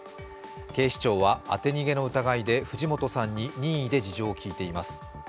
警視庁は当て逃げの疑いで藤本さんに任意で事情を聴いています。